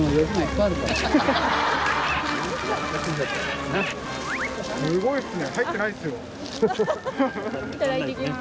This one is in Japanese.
すごい。